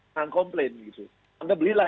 jangan komplain gitu anda belilah